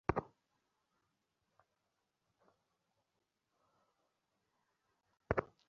আমি শুধু গল্পের বইয়ে পড়েছি।